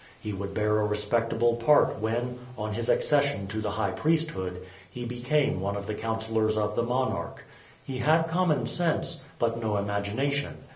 He would bear a respectable part when, on his accession to the high priesthood, he became one of the councilors of the monarch. He had common sense, but no imagination.